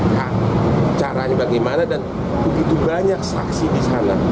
nah caranya bagaimana dan begitu banyak saksi di sana